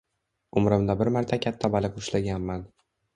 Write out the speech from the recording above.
Umrimda bir marta katta baliq ushlaganman.